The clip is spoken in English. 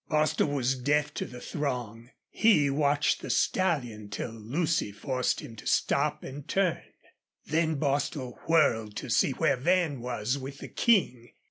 Bostil was deaf to the throng; he watched the stallion till Lucy forced him to stop and turn. Then Bostil whirled to see where Van was with the King.